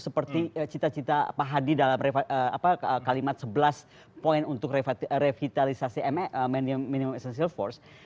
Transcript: seperti cita cita pak hadi dalam kalimat sebelas poin untuk revitalisasi minimum essential force